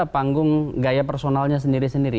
panggung gaya personalnya sendiri sendiri